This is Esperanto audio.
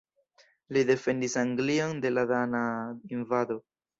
Li defendis Anglion de la dana invado.